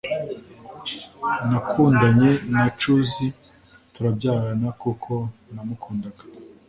Nakundanye na Chuzi turabyarana kuko namukundaga